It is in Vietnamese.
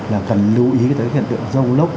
là cần lưu ý tới hiện tượng rông lốc